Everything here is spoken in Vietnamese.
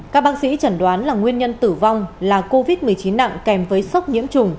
các bác sĩ chẩn đoán là nguyên nhân tử vong là covid một mươi chín nặng kèm với sốc nhiễm trùng